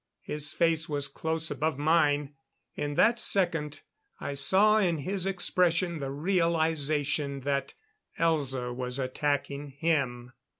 His face was close above mine. In that second, I saw in his expression the realization that Elza was attacking him.